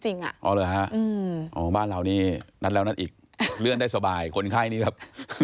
อ๋อเหรอฮะอ๋อบ้านเรานี่นัดแล้วนัดอีกเลื่อนได้สบายคนไข้นี่แบบ